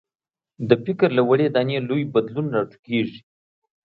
د فکر له وړې دانې لوی بدلون راټوکېږي.